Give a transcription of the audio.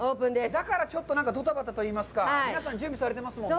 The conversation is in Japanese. だから、ちょっとなんかドタバタといいますか、皆さん、準備されてますもんね。